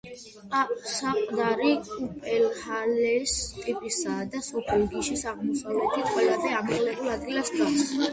საყდარი კუპელჰალეს ტიპისაა და სოფელ გიშის აღმოსავლეთით, ყველაზე ამაღლებულ ადგილას დგას.